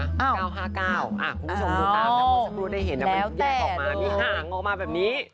คุณผู้ชมดูตามนะเมื่อสักครู่ได้เห็นมันแยกออกมามีหางออกมาแบบนี้